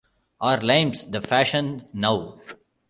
Are limes the fashion now?